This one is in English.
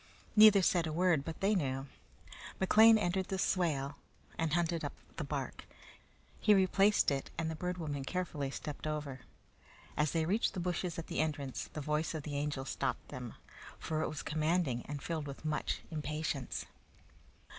Neither said a word, but they knew. McLean entered the swale and hunted up the bark. He replaced it, and the Bird Woman carefully stepped over. As they reached the bushes at the entrance, the voice of the Angel stopped them, for it was commanding and filled with much impatience.